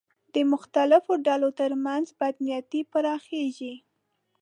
د مختلفو ډلو تر منځ بدنیتۍ پراخېږي